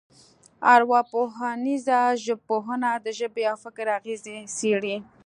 ارواپوهنیزه ژبپوهنه د ژبې او فکر اغېزې څېړي